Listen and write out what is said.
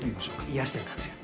癒やしてる感じが。